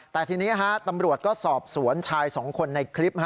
แต่ทีนี้ตำรวจก็สอบสวนชายสองคนในคลิป